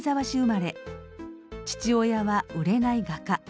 父親は売れない画家。